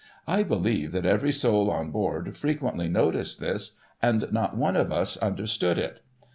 I believe that every soul on board frequently noticed this, and not one of us understood it.